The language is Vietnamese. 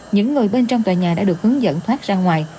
những người bên trong tòa nhà đã được hướng dẫn thoát ra ngoài